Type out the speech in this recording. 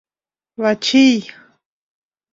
Вачий!